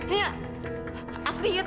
nih aslinya t